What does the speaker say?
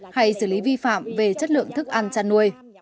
hay xử lý vi phạm về chất lượng thức ăn chăn nuôi